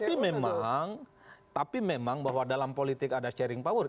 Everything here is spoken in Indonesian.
tapi memang tapi memang bahwa dalam politik ada sharing power